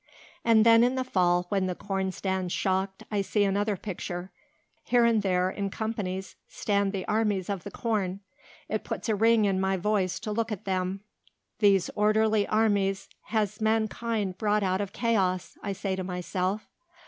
"And then in the fall when the corn stands shocked I see another picture. Here and there in companies stand the armies of the corn. It puts a ring in my voice to look at them. 'These orderly armies has mankind brought out of chaos,' I say to myself.